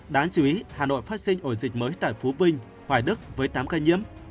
đáng chú ý hà nội phát sinh ổ dịch mới tại phú vinh hoài đức với tám ca nhiễm